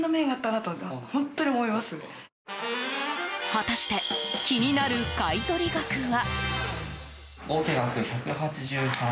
果たして気になる買い取り額は？